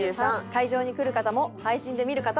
会場に来る方も配信で見る方も。